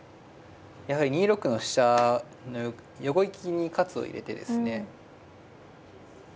やはり２六の飛車の横利きに活を入れてですね。